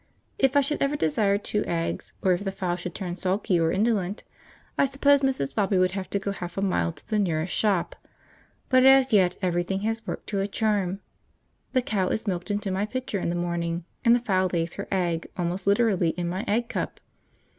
If I should ever desire two eggs, or if the fowl should turn sulky or indolent, I suppose Mrs. Bobby would have to go half a mile to the nearest shop, but as yet everything has worked to a charm. The cow is milked into my pitcher in the morning, and the fowl lays her egg almost literally in my egg cup.